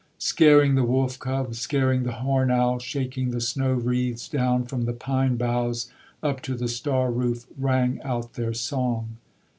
Scaring the wolf cub, Scaring the horn owl, Shaking the snow wreaths Down from the pine boughs, Up to the star roof Rang out their song.